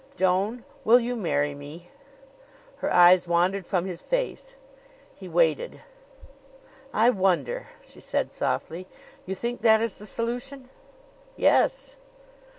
"Joan, will you marry me?" Her eyes wandered from his face. He waited. "I wonder!" she said softly. "You think that is the solution?" "Yes."